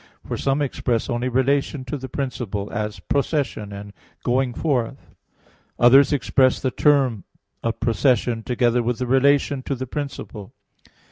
For some express only relation to the principle, as "procession" and "going forth." Others express the term of procession together with the relation to the principle.